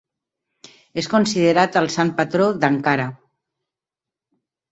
És considerat el sant patró d'Ankara.